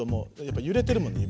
やっぱゆれてるもんね